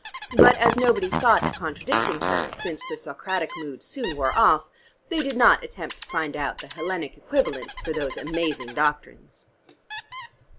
But as nobody thought of contradicting her, since the Socratic mood soon wore off, they did not attempt to find out the Hellenic equivalents for those amazing doctrines.